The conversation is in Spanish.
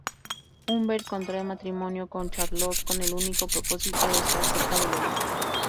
Humbert contrae matrimonio con Charlotte con el único propósito de estar cerca de Lolita.